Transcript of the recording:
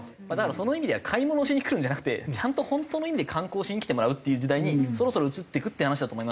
その意味では買い物をしに来るんじゃなくてちゃんと本当の意味で観光しに来てもらうっていう時代にそろそろ移っていくって話だと思いますし。